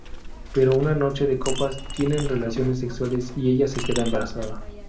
Pero una noche de copas tienen relaciones sexuales y ella se queda embarazada.